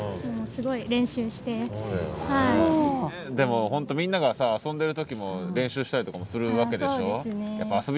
でも本当みんながさ遊んでる時も練習したりとかもするわけでしょ？